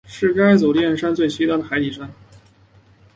是该组海山炼中最西端的海底山。